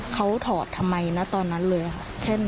เขาถอดทำไมนะตอนนั้นเลยค่ะ